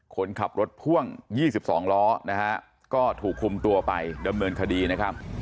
คนขับรถพ่วง๒๒ล้อนะฮะก็ถูกคุมตัวไปดำเนินคดีนะครับ